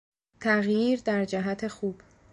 تغییر در جهت خوب